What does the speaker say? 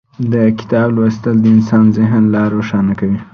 د کتاب لوستل د انسان ذهن لا روښانه کوي.